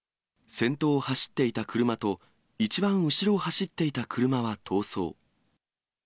先頭を走っていた車と、一番後ろを走っていた車は逃走。